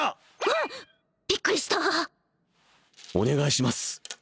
わっ！びっくりしたお願いします！